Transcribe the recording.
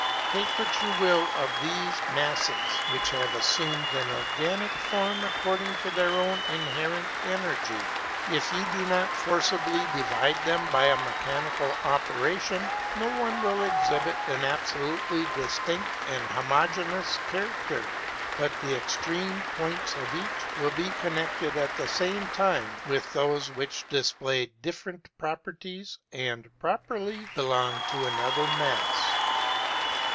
Take which you will of these masses which have assumed an organic form according to their own inherent energy; if you do not forcibly divide them by a mechanical operation, no one will exhibit an absolutely distinct and homogeneous character, but the extreme points of each will be connected at the same time with those which display different properties and properly belong to another mass.